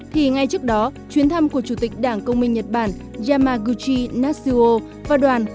thì ngay trước đó chuyến thăm của chủ tịch đảng công minh nhật bản yamaguchi nasio và đoàn